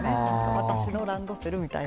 「私のランドセル」みたいな。